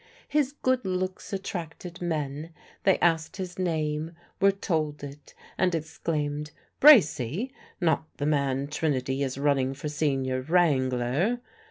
His good looks attracted men; they asked his name, were told it, and exclaimed, "Bracy? Not the man Trinity is running for Senior Wrangler?"